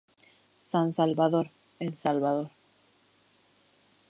San Salvador, El Salvador.